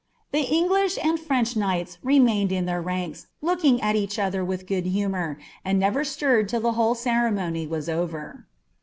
The English and French knights reinaiaed it ranks, looking at each other witli good humour, and never stured 1 Ihe whole ceremony was over.